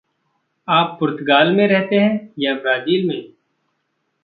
आप पुर्त्तगाल में रहते हैं या ब्राज़ील में?